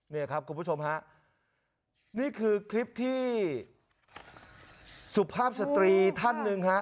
นี่ครับคุณผู้ชมฮะนี่คือคลิปที่สุภาพสตรีท่านหนึ่งฮะ